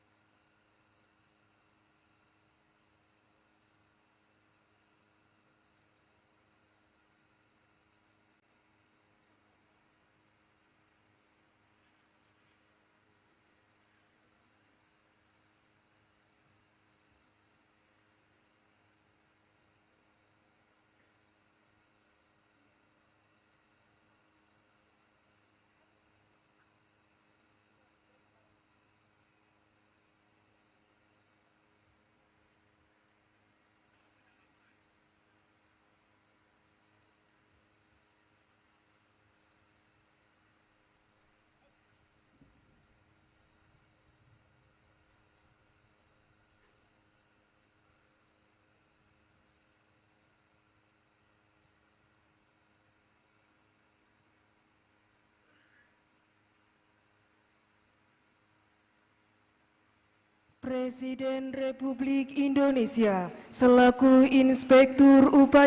pemulihan hari bayangkara ke tujuh puluh enam di akademi kepelusian semarang jawa tengah